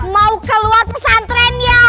mau keluar pesantren ya